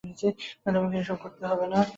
তোমাকে এইসব করতে হবে না।